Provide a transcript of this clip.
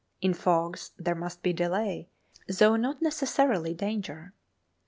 In fogs there must be delay, though not necessarily danger.